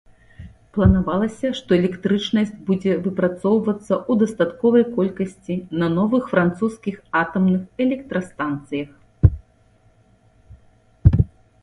Планавалася, што электрычнасць будзе выпрацоўвацца ў дастатковай колькасці на новых французскіх атамных электрастанцыях.